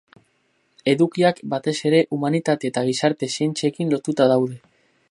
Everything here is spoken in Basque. Edukiak batez ere humanitate eta gizarte zientziekin lotuta daude.